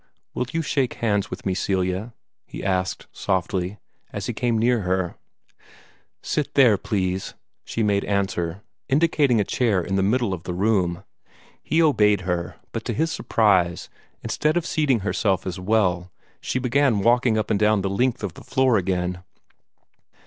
"Will you shake hands with me, Celia?" he asked softly, as he came near her. "Sit there, please!" she made answer, indicating a chair in the middle of the room. He obeyed her, but to his surprise, instead of seating herself as well, she began walking up and down the length of the floor again.